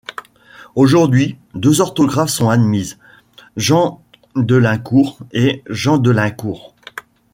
Aujourd’hui deux orthographes sont admises: Jeandelaincourt et Jeandelincourt.